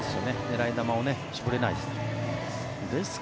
狙い球を絞れないです。